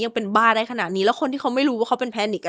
ยังเป็นบ้าได้ขนาดนี้แล้วคนที่เขาไม่รู้ว่าเขาเป็นแพนิกอ่ะ